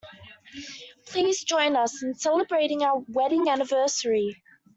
Please join us in celebrating our wedding anniversary